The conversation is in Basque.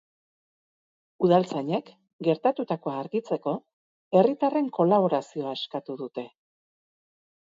Udaltzainek, gertatutakoa argitzeko, herritarren kolaborazioa eskatu dute.